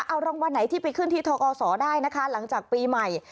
เอารางวัลไหนที่ไปขึ้นที่ทกศได้นะคะหลังจากปีใหม่